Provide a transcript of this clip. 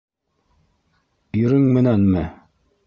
Иреңменәнме?